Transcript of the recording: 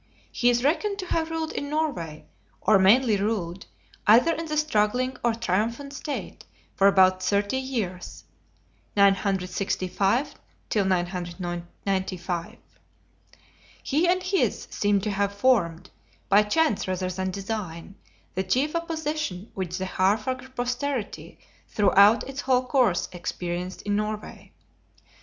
He is reckoned to have ruled in Norway, or mainly ruled, either in the struggling or triumphant state, for about thirty years (965 995?). He and his seemed to have formed, by chance rather than design, the chief opposition which the Haarfagr posterity throughout its whole course experienced in Norway.